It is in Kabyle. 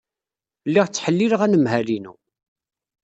Lliɣ ttḥellileɣ anemhal-inu.